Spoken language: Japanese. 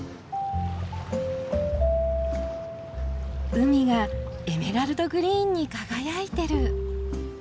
海がエメラルドグリーンに輝いてる。